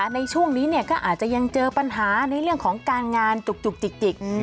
ในช่วงนี้ก็อาจจะยังเจอปัญหาในเรื่องของการงานจุกจิก